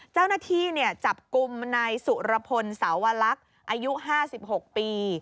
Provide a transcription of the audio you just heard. เจ้าหน้าที่จับกลุ่มนายสุรพลสาวลักษณ์อายุ๕๖ปี